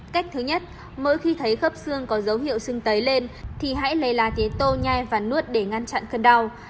cách thứ nhất mỗi khi thấy khớp xương có dấu hiệu sưng tấy lên thì hãy lấy lá tế tô nhai và nuốt để ngăn chặn cơn đau